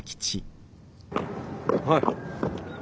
おい。